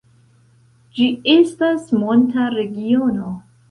Ĝi estas monta regiono.